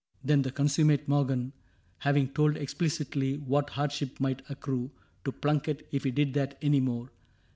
Then the consummate Morgan, having told Explicitly what hardship might accrue To Plunket if he did that any more.